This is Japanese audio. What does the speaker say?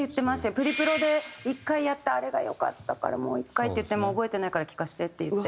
「プリプロで１回やったあれが良かったからもう１回」って言っても「覚えてないから聴かせて」って言って。